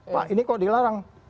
pak ini kok dilarang